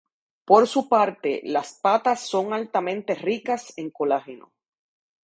Por su parte, las patas son altamente ricas en colágeno.